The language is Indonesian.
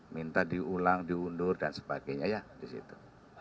minta diulang diundur dan sebagainya ya di situ